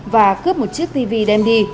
và cướp một chiếc tv đem đi